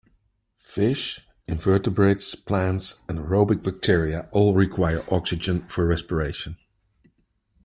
Fish, invertebrates, plants, and aerobic bacteria all require oxygen for respiration.